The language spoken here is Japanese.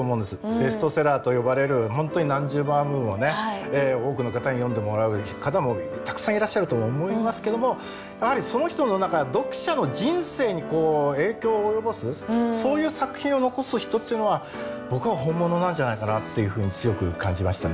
ベストセラーと呼ばれる本当に何十万部もね多くの方に読んでもらう方もたくさんいらっしゃるとは思いますけどもやはりその人の何か読者の人生に影響を及ぼすそういう作品を残す人っていうのは僕は本物なんじゃないかなっていうふうに強く感じましたね。